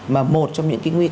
mà một trong những cái nguy cơ là